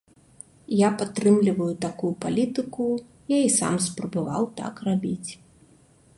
Я падтрымліваю такую палітыку, я і сам спрабаваў так рабіць.